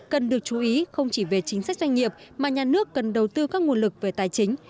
cần được chú ý không chỉ về chính sách doanh nghiệp mà nhà nước cần đầu tư các nguồn lực về tài chính